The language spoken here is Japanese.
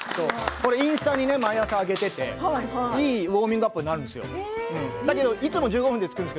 これインスタに毎朝あげていいウオーミングアップになるんです。